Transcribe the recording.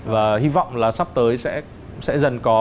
và hy vọng là sắp tới sẽ dần có